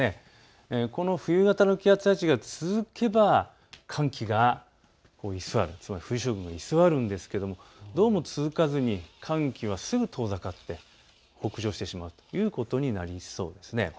この冬型の気圧配置が続けば寒気が居座る、冬将軍が居座るんですがどうも続かずに寒気はすぐ遠ざかって北上してしまうということになりそうです。